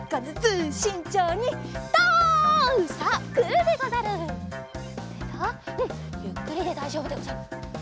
うんゆっくりでだいじょうぶでござる。